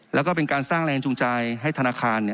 แล้วก็เป็นการสร้างแรงจูงใจให้ธนาคาร